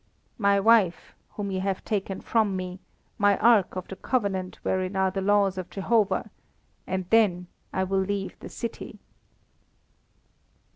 "My wife, whom you have taken from me, my Ark of the Covenant wherein are the laws of Jehovah, and then I will leave the city."